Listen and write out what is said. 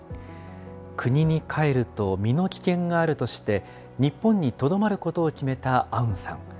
国に帰ると身の危険があるとして、日本にとどまることを決めたアウンさん。